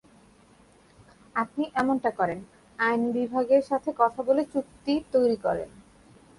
আপনি এমনটা করেন, আইন বিভাগ সাথে কথা বলে চুক্তি তৈরি করেন।